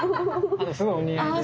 あすごいお似合いです。